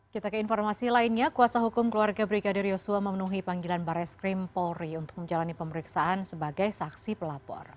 kita ke informasi lainnya kuasa hukum keluarga brigadir yosua memenuhi panggilan bares krim polri untuk menjalani pemeriksaan sebagai saksi pelapor